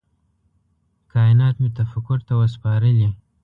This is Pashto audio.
کائینات مي تفکر ته وه سپارلي